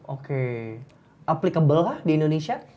oke aplikabel kah di indonesia